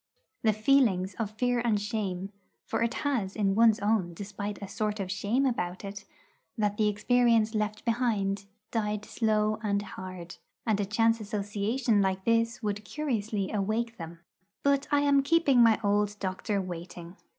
The feelings of fear and shame for it has in one's own despite a sort of shame about it that the experience left behind, died slow and hard. And a chance association like this would curiously awake them. But I am keeping my old doctor waiting.